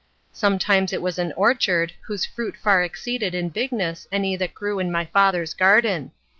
Sometimes it was an orchard, whose fruit far exceeded in bigness any that grew in my father's garden.